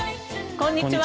こんにちは。